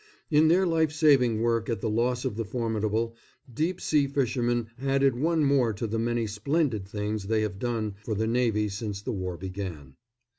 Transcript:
In their life saving work at the loss of the Formidable, deep sea fishermen added one more to the many splendid things they have done for the Navy since the war began.